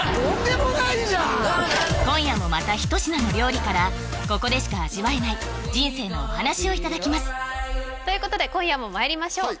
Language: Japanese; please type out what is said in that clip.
今夜もまた一品の料理からここでしか味わえない人生のお話をいただきますということで今夜もまいります